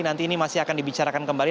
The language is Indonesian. nanti ini masih akan dibicarakan kembali